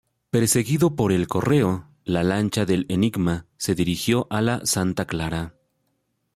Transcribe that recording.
Perseguido por el "Correo" la lancha del "Enigma" se dirigió a la "Santa Clara".